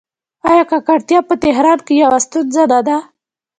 آیا ککړتیا په تهران کې یوه ستونزه نه ده؟